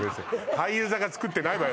俳優座が作ってないわよ